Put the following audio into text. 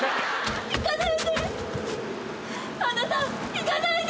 行かないで。